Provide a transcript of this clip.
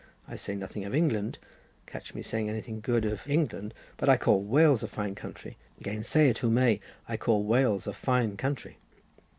I say nothing of England; catch me saying anything good of England; but I call Wales a fine country: gainsay it who may, I call Wales a fine country."